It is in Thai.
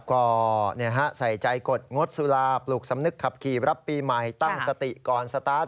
ก็ใส่ใจกดงดสุราปลูกสำนึกขับขี่รับปีใหม่ตั้งสติก่อนสตาร์ท